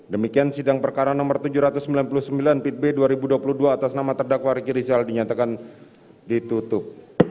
demikian sidang perkara nomor tujuh ratus sembilan puluh sembilan pit b dua ribu dua puluh dua atas nama terdakwa riki rizal dinyatakan ditutup